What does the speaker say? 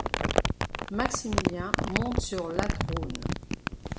Maximilien monte sur la trône.